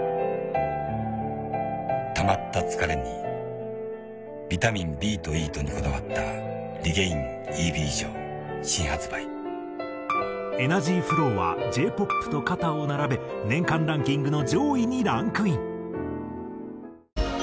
「たまった疲れにビタミンＢとＥとにこだわったリゲインＥＢ錠新発売」『ｅｎｅｒｇｙｆｌｏｗ』はＪ−ＰＯＰと肩を並べ年間ランキングの上位にランクイン。